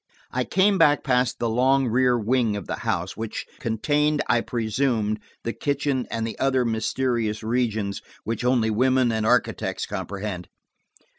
I came back past the long rear wing of the house which contained, I presumed, the kitchen and the other mysterious regions which only women and architects comprehend.